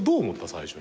最初。